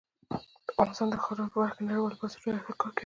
افغانستان د ښارونه په برخه کې نړیوالو بنسټونو سره کار کوي.